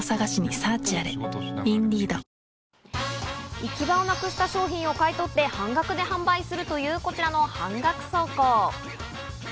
行き場をなくした商品を買い取って半額で販売するという、こちらの半額倉庫。